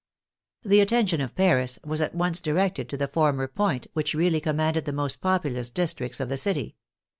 The attention of Paris was at once directed to the for mer point, which really commanded the most populous districts of the city.